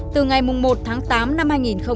từ ngày một tháng tám năm hai nghìn một mươi tám